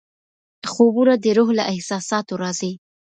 خوبونه د روح له احساساتو راځي.